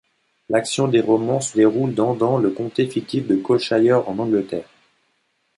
L'action des romans se déroule dans dans le comté fictif de Calleshire, en Angleterre.